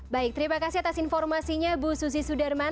baik terima kasih atas informasinya bu susi sudarman